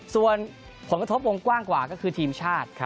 ส่วนผลกระทบวงกว้างกว่าก็คือทีมชาติ